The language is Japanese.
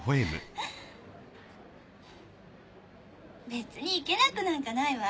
別にいけなくなんかないわ。